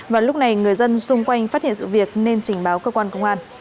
và lúc này người dân xung quanh phát hiện sự việc nên trình báo cơ quan công an